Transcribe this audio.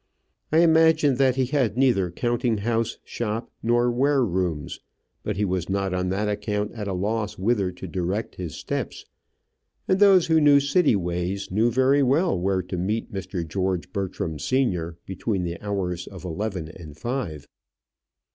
I imagine that he had neither counting house, shop, nor ware rooms: but he was not on that account at a loss whither to direct his steps; and those who knew city ways knew very well where to meet Mr. George Bertram senior between the hours of eleven and five.